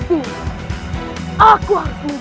untuk membuat benih